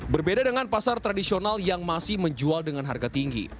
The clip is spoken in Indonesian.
berbeda dengan pasar tradisional yang masih menjual dengan harga tinggi